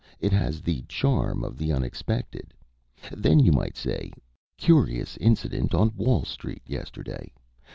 It has the charm of the unexpected. Then you might say: 'Curious incident on Wall Street yesterday.